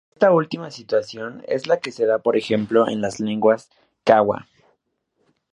Esta última situación es la que se da por ejemplo en las lenguas kwa.